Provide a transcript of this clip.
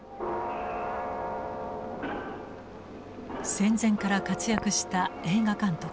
戦前から活躍した映画監督